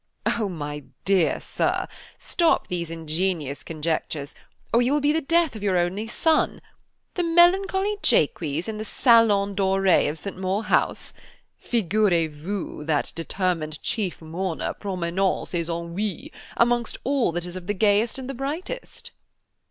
"Oh, my dear Sir, stop those ingenious conjectures, or you will be the death of your only son. The melancholy Jacques in the salons dorés of St.Maur House. Figurez vous that determined chief mourner promenant ses ennuis amongst all that is of the gayest and the brightest."